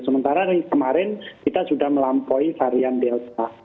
sementara dari kemarin kita sudah melampaui varian delta